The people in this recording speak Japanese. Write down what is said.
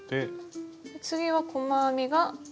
次は細編みが。